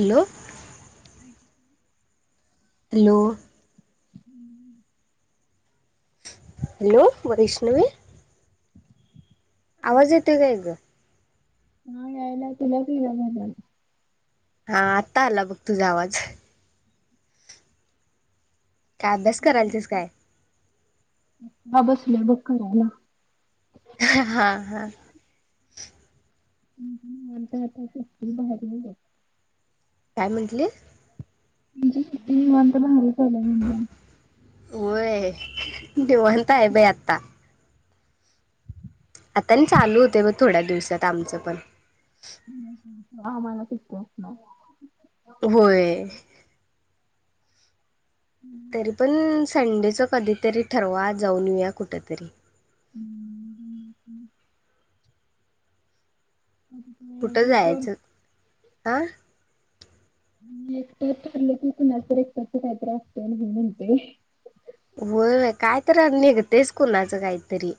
Hello. [unintelligible] Hello! हम्म. Hello. वैष्णवे, आवाज येतोय काय गं? हा यायल. तुला बी यायला लागलाय काय? हा आता आला बघ तुझा आवाज. काय अभ्यास करालतीस काय? हा बसले बघ करायला. हा हा. आता एकटी बाहेर नाही जाऊ शकत. काय म्हंटलीस? [unintelligible] होय. निवांत आहे बाई आत्ता. आता आणि चालू होते बघ थोड्या दिवसात आमचं पण. ह मला किकत ना. होय. [inaudible] तरी पण संडेचं कधीतरी ठरवा जाऊन येऊया कुठ तरी. [unintelligible] [unintelligible] कुठं ग्रुप वर जायचं? हं. एकटच ठरलं की कुण तर एकटच काहीतरी असत म्हणून म्हणते. होय. काय तर निघते कुणाचं काहीतरी.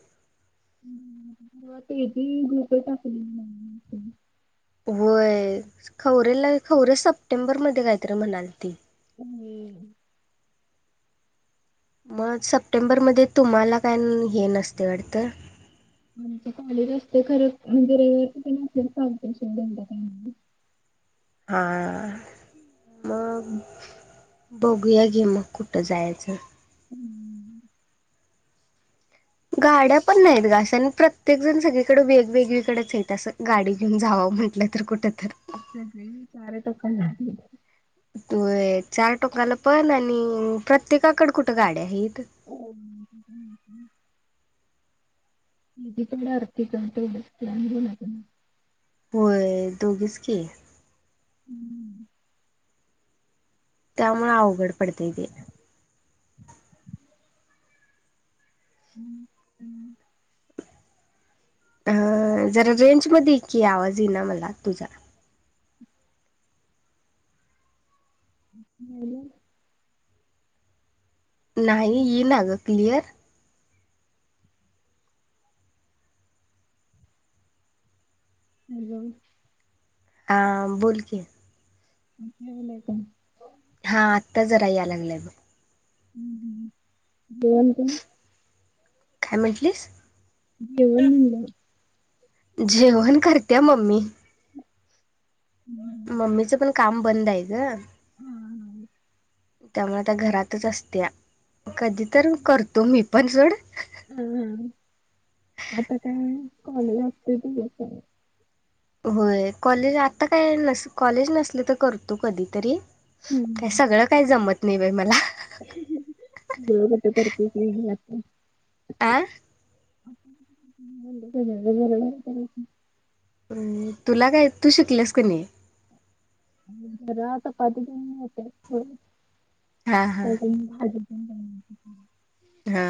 [unintelligible] टाकली. व्हय. खवरेला खवरे सप्टेंबरमध्ये काहीतरी म्हणाल ती. हम्म. मग सप्टेंबरमध्ये तुम्हाला काय हे नसते वाटत. म्हणजे काली रस्ते खरं म्हणजे रविवार किठे नसलेल काल पेशन दे का? हां. मग? बघूया घे मग कुठं जायचं? हम्म. गाड्या पण नाहीत ग अस आणि प्रत्येक जण सगळीकडे वेगवेगळीकडेच आहेत असं गाडी घेऊन जावं म्हटलं तर कुठ तर. सार तोक तूय चार टोकाला पण आणि प्रत्येकाकड कुठे गाड्या आहेत. [unintelligible] [unintelligible] होय दोघीच की. हम्. त्यामुळे अवघड पडताय तेे. [unintelligible] अ जरा रेंज मध्ये की आवाज ये ना मला तुझा. हॅलो. नाही हम्म, येना ग क्लियर. हॅलो. आ बोल की. [unintelligible] हा आत्ता जरा याय लागलंय बघ [unintelligible] [inaudible] काय म्हंटलीस? जेवण म्हणलं. जेवण करत्या मम्मी हम्म. मम्मीचं पण काम बंद आय ग हा हा. त्यामूळं आता घरातच असत्या कधी तर करतो मी पण सोडं. हा हा आता काय कॉलेज असतंय [unintelligible] होय कॉलेज आता काय नस कॉलेज नसल तर करतो कधीतरी. काय सगळं काय जमत नाय बाय मला बरोबर तर करतेच [unintelligible] [inaudible] आ. [unintelligible] [inaudible] अ तुला काय तू शिकल्यास का नई? जरां आता [unintelligible] हा हा [inaudible] [unintelligible] [inaudible] हा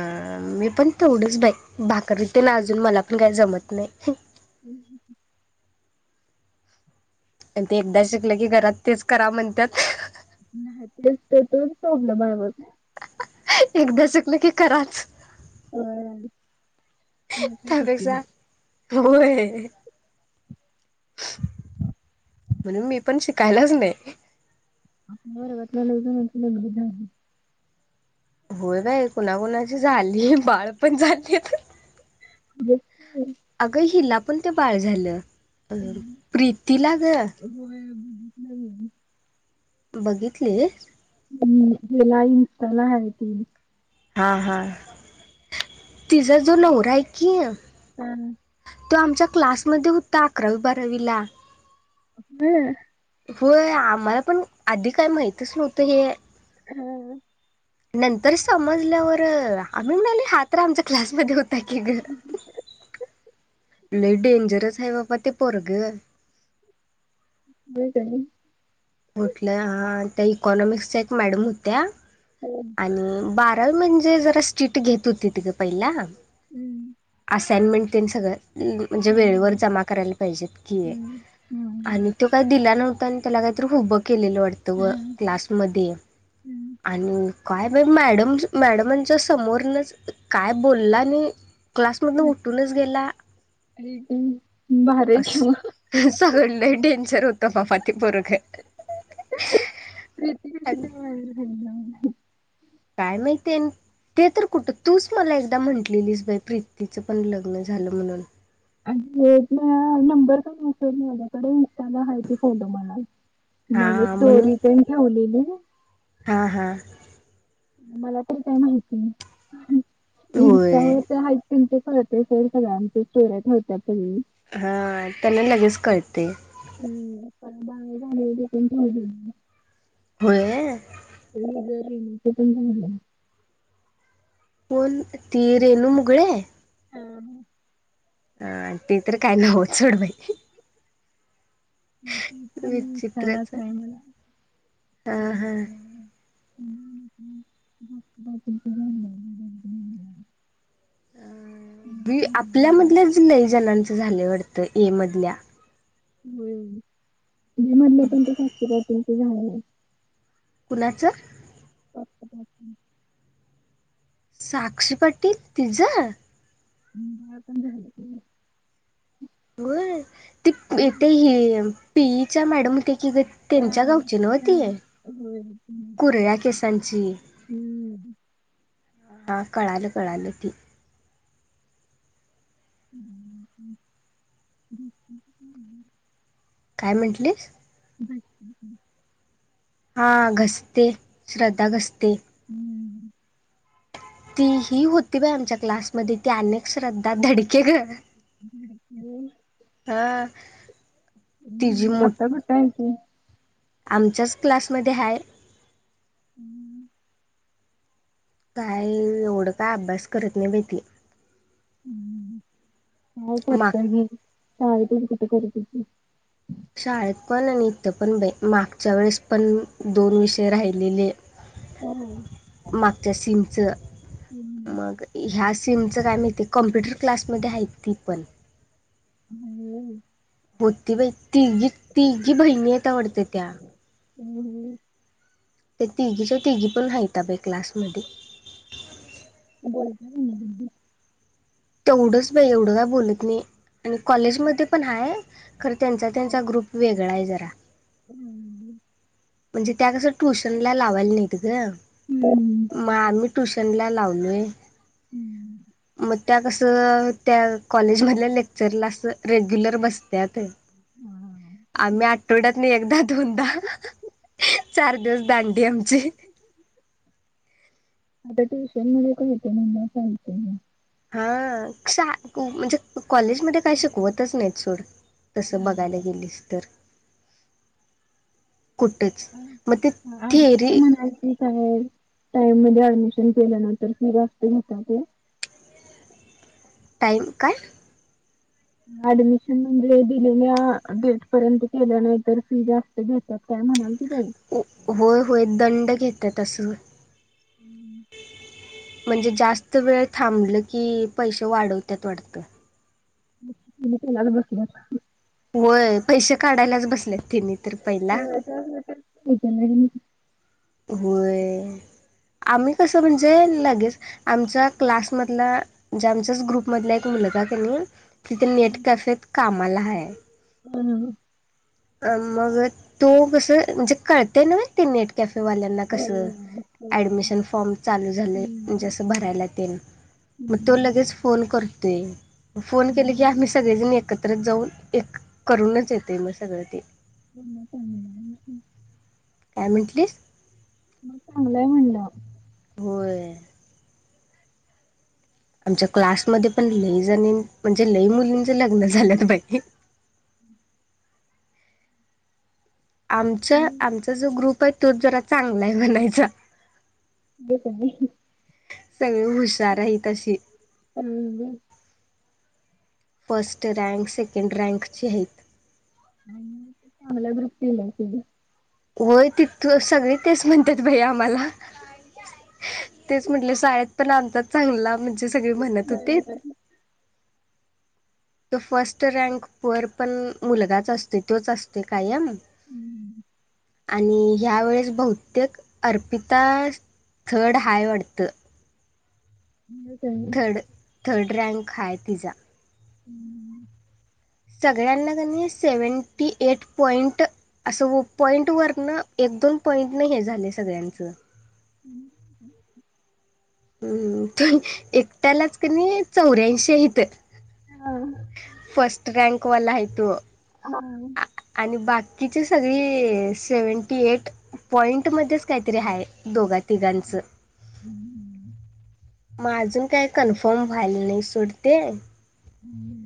मी पण तेवढच बाय भाकरी तेन अजून मला पण काय जमत नाय. [unintelligible] [inaudible] अन ते एकदा शिकलं की घरात तेच करा म्हणत्यात. नाय तेच तर तोचं प्रॉब्लम हाय बग. एकदा शिकलं की कराचं. अ त्यांना काही सुट्टी त्यापेक्षा नाही होय म्हणून मी पण शिकायलाच नाय. [unintelligible] [inaudible] होय बाय कुणाकुणाची झालीये बाळ पण झालेत. [unintelligible] अगं हिला पण ते बाळ झालं अ अं, प्रीतीला गं होय बघितलंय मी. बघितले. हम्म ह्याला इन्स्टाला हाय ती हा हा तिजा जो नवराय की हा. तो आमच्या क्लासमध्ये होता अकरावी बारावीला. हां. होय आम्हाला पण आधी काय माहितच नव्हतं हे हां. नंतर समजल्यावर आम्ही म्हणाली हा तर आमचा क्लासमध्ये होता की गं. लय डेंजरस हाय बाबा ते पोरगं होय काय. कुठल्या हा त्या इकॉनॉमिक्सच्या एक मॅडम होत्या. हो. आणि बारावी म्हणजे जरा स्ट्रीट घेत होतीत गं पयला हम्म. असाइनमेंट ते न सगळं म्हणजे हा वेळेवर हा जमा करायला पाहिजेत की. हम्म हम्म आणि तो काही दिला नव्हता, अन् त्याला काहीतरी हुभ केलेलं वाटतं व हम्म क्लासमध्ये. हम्म आणि काय बाई मॅडम मॅडमांच्या समोरनच काय बोलला नाही. क्लासमधन होय. उठूनच गेला अरे ते भारी आहे की मग असं. सगळ लई डेंजर होतं बाबा ते पोरगं. प्रीती कशी काय [inaudible] [unintelligible] काय माहिती? ते तर कुठं, तूच मला एकदा म्हटलेलीस बाई प्रीतीचं पण लग्न झालं म्हणून. आणि नंबर पण असेल माझ्याकडे. इंस्टाला आहे ती फॉलो मला. मग हा स्टोरी पण ठेवलेली. हां हां. मला पण काय माहिती नाही. होय इन्स्टावर हाय त्यांचं कळतंय सोड सगळ्यांचच स्टोरया ठेवतात सगळी. हा, त्यांन लगेच कळते. हम्म, आपण [unintelligible] होय. [unintelligible] कोण ती रेनू मुगळे? हो ना. हा, ते तर काय नव सोड बाई. [unintelligible] इंस्टालाच विचित्रच हाय मला. हा हा [unintelligible] [unintelligible] पुन्हा ते मला झाले. आपल्यामधल्याच लय जणांच झालं वाटतं ए मधल्या. होय. [unintelligible] कुणाच्या? [unintelligible] साक्षी पाटील तीज. [unintelligible] पण झाल तुझं. ग ते ह पी ईच्या मॅडम होते. कि त्यांच्या गावची नव्हती. हां. हम्म. कुरळ्या केसांची. हा कळाल कळाल ती. [unintelligible] [unintelligible] काय म्हटलीस? [unintelligible] हा, घसते श्रद्धा घसते. [unintelligible] ती ही होती बाई आमच्या क्लासमध्ये, ती अनेक श्रद्धा धडके गं. [unintelligible] हां. हं. आता कुठ हाय ती? आमच्याच क्लासमध्ये हाय. हं. काय एवढं? काय अभ्यास करत नाही बाई ती! हं काय माग करतोय घे. शाळेत येऊन कुठं करत होती. शाळेत पण आणि इथं पण बाई, मागच्या वेळेस पण दोन विषय राहिलेले. [inaudible] हं. मागच्या सिमचं, हम्म. मग ह्या सिमचं काय माहिती आहे. कॉम्प्युटर क्लासमध्ये आहेत ती पण हं. होती. बाई तिघी -तिघी बहिणी आहेत वाटतं त्या हं हं. त्या तिघीच्या तिघी पण हायता बाई क्लासमध्ये. बोलत्या का नाही रिद्धी? तेवढंच बाई! एवढं काय बोलत नाही. आणि कॉलेजमध्ये पण हाय. खरं त्यांचा त्यांचा ग्रुप वेगळा आहे जरा. हं. म्हणजे, त्या कसं ट्युशन ला लावायला नाहीत गं! हं हं हं. मग, आम्ही ट्युशन ला लावलोय. हं. त्या कसं त्या कॉलेजमधल्या लेक्चरला असं रेग्युलर बसत्यात. आम्ही आठवड्यात न एकदा -दोनदा. हां हां. चार दिवस दांडी आमची. आता ट्युशन मध्ये कळतंय म्हणल्यावर चालतंय मग! हां. सा क म्हणजे कॉलेजमध्ये काय शिकवतच नाही सोड. तसं बघायला गेलीस तर, कुठचं! हां, अर्पिता म्हणालती. काय! टाइम मध्ये ऍडमिशन केल्यानंतर फि जास्त घेतात ते. टाइम काय? ऍडमिशन म्हणजे दिलेल्या डेट पर्यंत केलं नाही तर फी जा स्त घेतात काय म्हणालती बाई! उ होय -होय दंड घेतात असं! हं. म्हणजे जास्त वेळ थांबल की, पैसे वाढवत्यात वाटतं. मग, त्यांनी त्यालाच बसल्यात. होय. पैसे काढायलाच बसल्यात त्यांनी तर पहिला. त्याच वर्षात ठीक आहे. नवीन होय. आम्ही कसं म्हणजे लगेच आमचा क्लासमधला, जे आमच्याच ग्रुपमधला एक मुलगा कणी तिथे नेट कॅफेेत कामाला हाय. हं हं. मग, तो कसं म्हणजे कळतंय न्हव ते नेट कॅफेवाल्या कस ऍडमिशन फॉर्म चालू झालंय म्हणजे असं भरायला तेन मग तो लगेच फोन करतोय फोन केले की आम्ही सगळेजणी एकत्र जाऊन एक करूनच येतोय मग सगळं ते [inaudible] काय म्हणंटलीस मग चांगलंय म्हणलं होय आमच्या क्लासमध्ये पण लईजणी म्हणजे लई मुलींचे लग्न झाल्यात बाई आमच्या आमचा जो ग्रुप आहे तो जरा चांगला आहे म्हनायचा [unintelligible] सगळी हुशार आहेत अशी हम [unintelligible] फर्स्ट रँक सेकंड रँकची आहेत मग चांगला ग्रुप दिला आहे तेनी होय तिथ सगळी तेच म्हणतात बाई आम्हाला तेच म्हटल शाळेत पण आमचा चांगला म्हणजे सगळी म्हणत होतीत तो फर्स्ट रँक वर पण मुलगाच असतोय तोच असतोय कायम आणि ह्या वेळेस बहुतेक अर्पिता थर्ड हाय वाटतं [inaudible] थर्ड थर्ड रँक हाय तिचा ह [inaudible] सगळ्यांना कनी सेवनटी एट पॉइंट असं व पॉईंट वरन, एक दोन पॉईंट न हे झालय सगळ्यांचं. [inaudible] हम्म. ते एकट्यालाच क नि चौऱ्यांशी आहेत [unintelligible] फस्ट रँकवाला हाय तो. हा आ- आणि बाकीची सगळी सेव्हनटी एट पॉइंट मध्येच काहीतरी आहे दोघा तिघांचं. [unintelligible] मग अजून काही कन्फर्म व्हायला नाही सोड ते. [inaudible]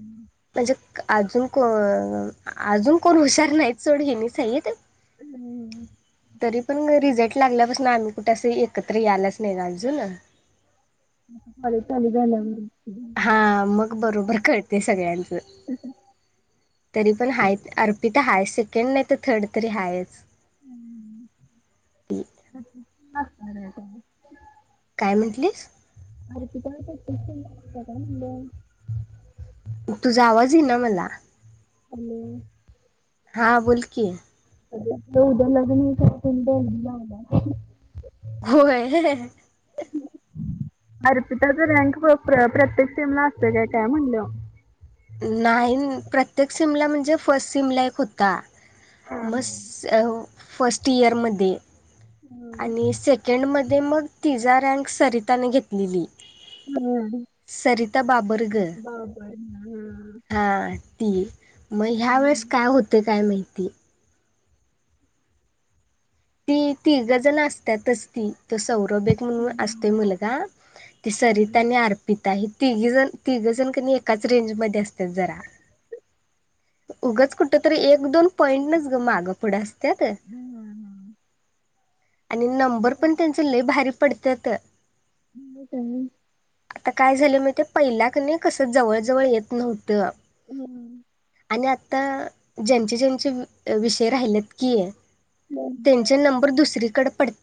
म्हणजे अजून को अजून कोण हुशार नाहीत सोड हेनीच हाईत. हम्म. तरी पण रिझल्ट लागल्यापासून आम्ही कुठ अस एकत्र यायलाच नाही अजून. खाली चालत जायला लागणार. हा मग बरोबर कळतय सगळ्यांचं. तरी पण हायत अर्पिता हाय, सेकंड नाही तर थर्ड तरी हायच. ती [unintelligible] काय म्हटलीस. अरपिता [unintelligible] काय म्हंटल. तुझा आवाज येईना मला. हॅलो. हां बोलकी. [unintelligible] होय. अर्पिताच रँक बघ. प्र प्रत्येक सिमला असत काय? काय म्हणल? नाही. प्रत्येक सिमला म्हणजे फस्ट सिमला एक होता. हं, मस- अ फस्ट इयरमध्ये. आणि सेकंड मध्ये मग तिजा रँक सरिताने घेतलेली. हं आणि. सरिता बाबर. बाबर ना? हां. ती. मग ह्या वेळेस काय होत काय माहिती? ती तिघ जण असत्यातच ती. तो सौरभ एक म्हणून असतोय मुलगा. ती सरीता न अर्पित- हे तिघी जण तिघजण क नी एकाच रेंज मध्ये असत्यात जरा. उगंच कुठ तरी एक दोन पॉईंट नच ग मागं पुढं असत्यात. हं, हं. आणि नंबर काय? पण त्यांचं लय भारी पडत्यात. हं. मग काय आणि? आता काय झालं माहितीये? पहिला क नी कस जवळ जवळ येत नव्हतं. हम्म. आणि आत्ता ज्यांचे ज्यांचे विषय राहिलेत की- [unintelligible] त्यांचे नंबर दुसरीकडे पडत-